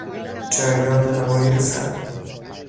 جریان هوای سرد